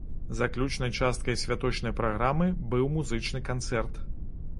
Заключнай часткай святочнай праграмы быў музычны канцэрт.